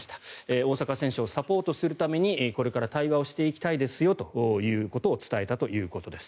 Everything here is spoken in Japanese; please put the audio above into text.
大坂選手をサポートするためにこれから対話をしていきたいですよということを伝えたということです。